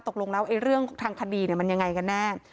ตกลงแล้วเรื่องทางคดีมันยังไงกันแน่